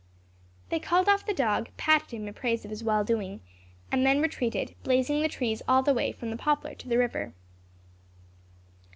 They called off the dog, patted him in praise of his well doing, and then retreated, blazing the trees all the way from the poplar to the river.